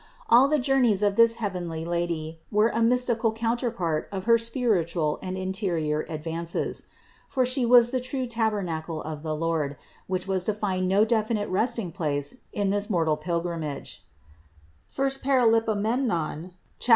All the journeys of this heavenly Lady were a mystical counterpart of her spir itual and interior advances. For She was the true tabernacle of the Lord, which was to find no definite resting place in this mortal pilgrimage (I Par.